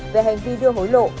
về hành vi đưa hối lộ